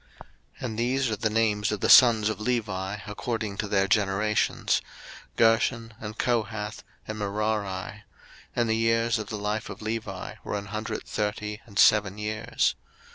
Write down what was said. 02:006:016 And these are the names of the sons of Levi according to their generations; Gershon, and Kohath, and Merari: and the years of the life of Levi were an hundred thirty and seven years.